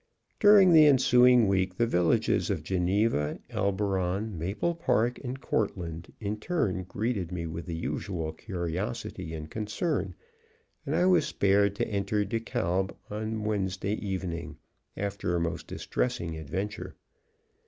During the ensuing week, the villages of Geneva, Elberon, Maple Park and Courtland in turn greeted me with the usual curiosity and concern, and I was spared to enter De Kalb on Wednesday evening, after a most distressing adventure.